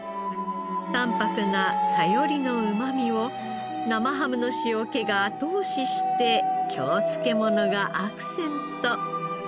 淡泊なサヨリのうまみを生ハムの塩気が後押しして京漬物がアクセント。